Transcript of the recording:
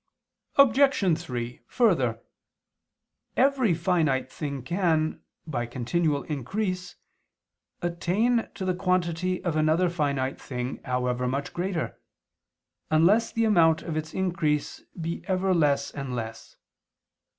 Obj. 3: Further, every finite thing can, by continual increase, attain to the quantity of another finite thing however much greater, unless the amount of its increase be ever less and less.